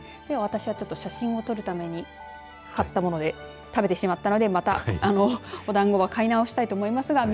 私は写真を撮るために買ったもので食べてしまったのでまたお団子は買い直したいと思います。